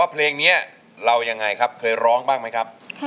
โอ้โหไปทบทวนเนื้อได้โอกาสทองเลยนานทีเดียวเป็นไงครับวาว